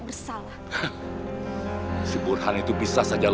indah bantu ibu ya sayang